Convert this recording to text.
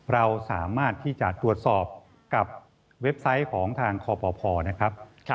เราสามารถที่จะตรวจสอบกับเว็บไซต์ของทางคอปภนะครับ